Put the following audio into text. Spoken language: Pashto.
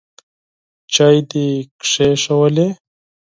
چای دي کښېښوولې ؟